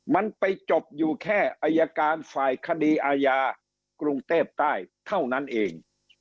มันไปจบอยู่แค่อายการฝ่ายคดีอาญากรุงเทพใต้เท่านั้นเอง